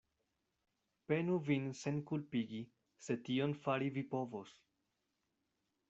Penu vin senkulpigi, se tion fari vi povos.